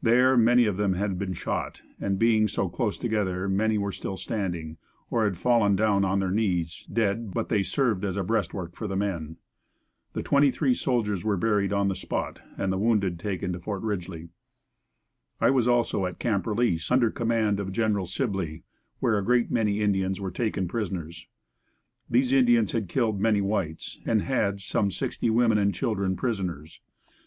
There many of them had been shot, and being so close together many were still standing, or had fallen down on their knees dead, but they served as a breast work for the men. The twenty three soldiers were buried on the spot and the wounded taken to Fort Ridgely. I was also at Camp Release, under command of Gen. Sibley, where a great many Indians were taken prisoners. These Indians had killed many whites, and had some sixty women and children, prisoners.